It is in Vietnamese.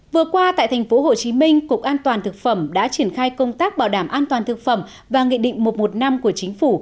vừa qua tại tp hcm cục an toàn thực phẩm đã triển khai công tác bảo đảm an toàn thực phẩm và nghị định một trăm một mươi năm của chính phủ